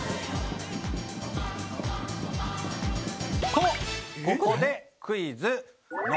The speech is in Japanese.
とここでクイズ。